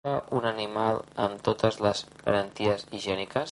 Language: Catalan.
Capa un animal amb totes les garanties higièniques.